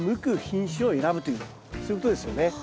そういうことですよね。